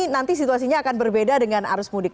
nanti situasinya akan berbeda dengan arus mudik